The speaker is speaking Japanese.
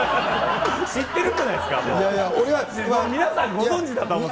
知ってるじゃないですか、もう。